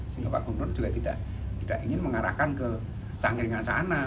sehingga pak gubernur juga tidak ingin mengarahkan ke canggiringan sana